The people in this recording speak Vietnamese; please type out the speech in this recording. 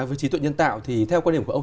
với trí tuệ nhân tạo thì theo quan điểm của ông